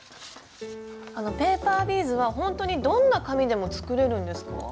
あのペーパービーズはほんとにどんな紙でも作れるんですか？